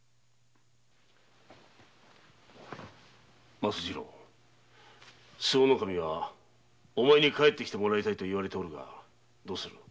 松次郎周防守はお前に帰って来てほしいと言っておられるがどうする？